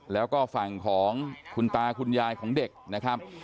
แล้วก็ฝั่งของคุณตาคุณยายของเด็กนะครับ